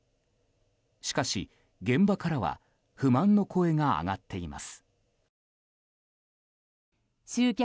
しかし、現場からは不満の声が上がっています。